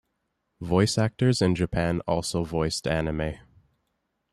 Voice actors in Japan also voiced anime.